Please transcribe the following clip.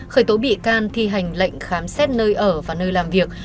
khởi tố bị can thi hành lệnh khám xét nơi ở và nơi làm việc